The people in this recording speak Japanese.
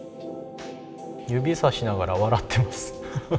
指さしながら笑ってます。